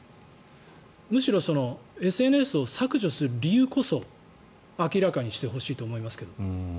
むしろ、ＳＮＳを削除する理由こそ明らかにしてほしいと思いますけど。